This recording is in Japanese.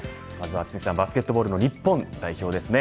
さあバスケットボールの日本代表ですね。